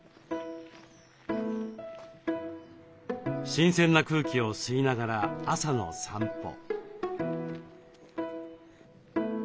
新鮮な空気を吸いながら朝の散歩。